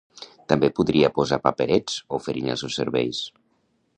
També podria posar paperets oferint els seus serveis